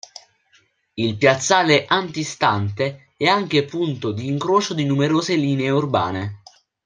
Il piazzale antistante è anche punto di incrocio di numerose linee urbane.